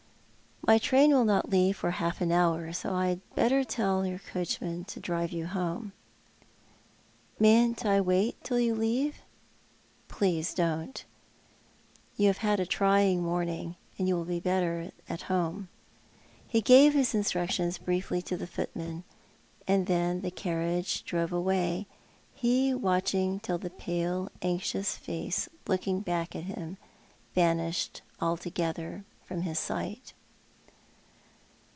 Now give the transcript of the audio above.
" My train will not leave for half an hour, so I had better tell your coachman to drive you home." " Mayn't I wait till you leave? " "Please, don't. You have had a trying morning, and you will be better at home." lie gave his instructions briefly to the footman, and then the carriage drove away, he watching till the pale, anxious face looking back at him vanished altogether from his sight.